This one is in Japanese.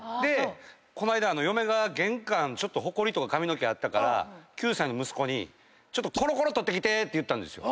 この間嫁が玄関ちょっとホコリとか髪の毛あったから９歳の息子に「コロコロ取ってきて」って言ったんですよ。